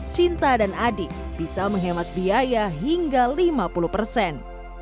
sinta dan adi bisa menghemat biaya hingga lima puluh persen